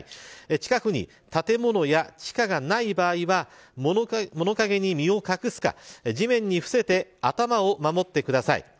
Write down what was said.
近くに建物や地下がない場合は物陰に身を隠すか地面に伏せて頭を守ってください。